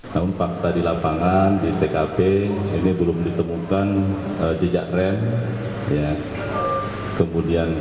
dari awal sudah lelah artinya kemungkinan ini kemungkinan